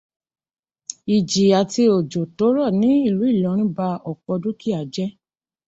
Ìjì àti òjò tó rọ̀ ní ìlú Ìlọrin ba ọ̀pọ̀ dúkìá jẹ́.